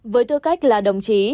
với tư cách là đồng chí